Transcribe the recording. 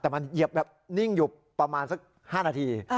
แต่มันเหยียบแบบนิ่งอยู่ประมาณสัก๕นาที